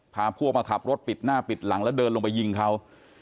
พาพวกมาขับรถปิดหน้าปิดหลังแล้วเดินลงไปยิงเขา